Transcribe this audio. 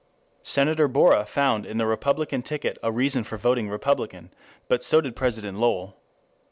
Senator Borah found in the Republican ticket a reason for voting Republican, but so did President Lowell.